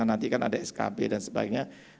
nanti kan ada skb dan sebagainya